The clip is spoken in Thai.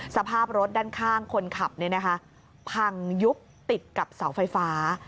สภาพรถด้านข้างคนขับพังยุบติดกับเสาไฟฟ้า